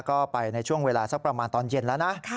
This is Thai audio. ก็ไปในช่วงเวลาสักประมาณตอนเย็นแล้วนะ